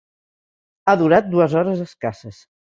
Ha durat dues hores escasses.